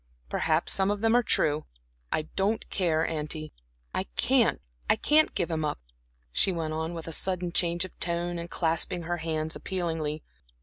Perhaps some of them are true; I don't care. Auntie, I can't I can't give him up," she went on with a sudden change of tone and clasping her hands appealingly.